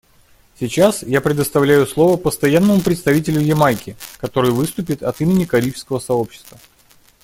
Сейчас я предоставляю слово Постоянному представителю Ямайки, который выступит от имени Карибского сообщества.